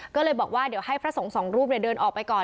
ก็เลยบอกว่าเดี๋ยวให้พระสงฆ์สองรูปเดินออกไปก่อน